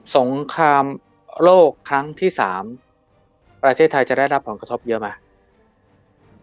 สงครามโลกครั้งที่๓ประเทศไทยจะได้รับผลกระทบเยอะไหม